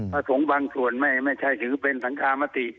สงฆ์บางส่วนไม่ใช่ถือเป็นสังกามติ